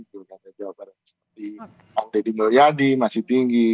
pilkada jawa barat seperti bang deddy mulyadi masih tinggi